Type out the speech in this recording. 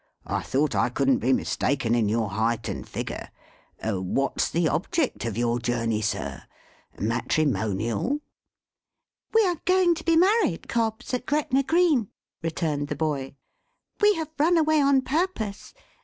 I thought I couldn't be mistaken in your height and figure. What's the object of your journey, sir? Matrimonial?" "We are going to be married, Cobbs, at Gretna Green," returned the boy. "We have run away on purpose.